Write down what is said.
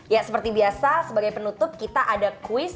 ya seperti biasa sebagai penutup kita ada quiz